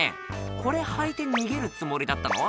これ履いて逃げるつもりだったの？